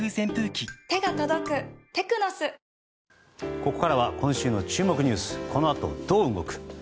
ここからは今週の注目ニュースこの後どう動く？